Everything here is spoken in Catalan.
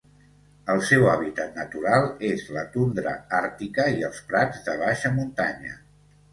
El seu hàbitat natural és la tundra àrtica i els prats de baixa muntanya.